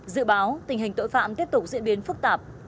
dự báo tình hình tội phạm tiếp tục diễn biến phức tạp